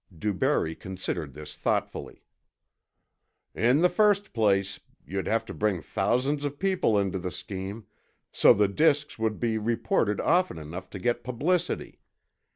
DuBarry considered this thoughtfully. "In the first place, you'd have to bring thousands of people into the scheme, so the disks would be reported often enough to get publicity.